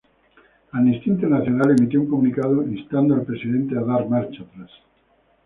Amnistía Internacional emitió un comunicado instando al presidente a dar marcha atrás.